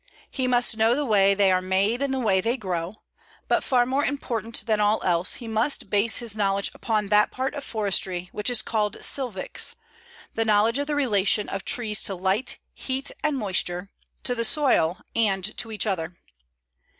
He must know the way they are made and the way they grow; but far more important than all else, he must base his knowledge upon that part of forestry which is called Silvics, the knowledge of the relation of trees to light, heat, and moisture, to the soil, and to each other.